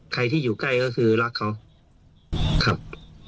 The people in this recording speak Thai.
ใครที่อยู่ใกล้ก็คือรักเขาครับ